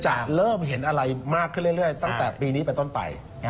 จะเริ่มเห็นอะไรมากขึ้นเรื่อยตั้งแต่ปีนี้เป็นต้นไป